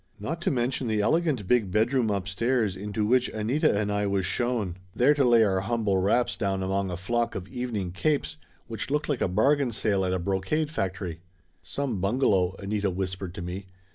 Not to mention the elegant big bedroom upstairs into which Anita and I was shown, there to lay our humble wraps down among a flock of evening capes which looked like a bargain sale at a brocade factory. "Some bungalow!" Anita whispered to me.